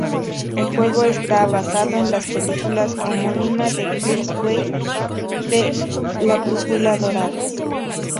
El juego está basado en la película homónima de Chris Weitz, La brújula dorada.